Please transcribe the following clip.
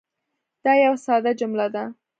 دا یوه ساده جمله ده.